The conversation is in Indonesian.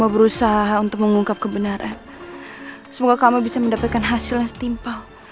berhenti pak sepertinya kita menemukan sesuatu pak